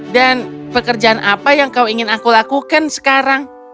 pekerjaan apa yang kau ingin aku lakukan sekarang